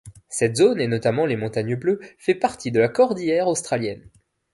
Cette zone et notamment les Montagnes bleues fait partie de la cordillère australienne.